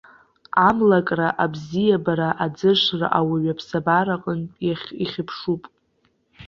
Амлакра, абзиабара, аӡышра ауаҩы аԥсабара аҟнытә ихьыԥшуп.